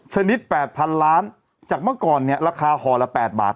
ชนิดแปดพันล้านจากเมื่อก่อนเนี้ยราคาหอละแปดบาท